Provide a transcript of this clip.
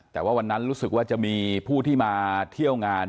แต่ว่าวันนั้นรู้สึกว่าจะมีผู้ที่มาเที่ยวงาน